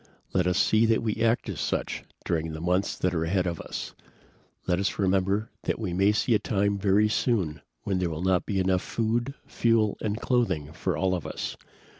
"Let us see that we act as such during the months that are ahead of us. Let us remember that we may see a time very soon when there will not be enough food, fuel and clothing for all of us.